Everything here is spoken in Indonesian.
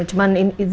tapi ini seperti